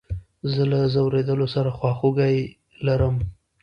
زه له ځورېدلو سره خواخوږي لرم.